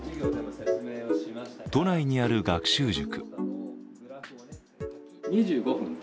都内にある学習塾。